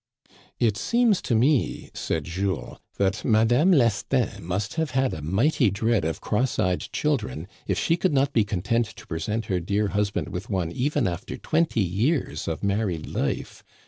"It seems to me," said Jules, that Madame Lestin must have had a mighty dread of cross eyed children if she could not be content to present her dear husband with one even after twenty years of married life.